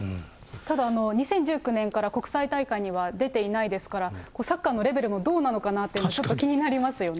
ただ、２０１９年から国際大会には出ていないですから、サッカーのレベルもどうなのかなというのはちょっと気になりますよね。